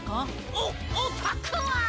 おおたくは！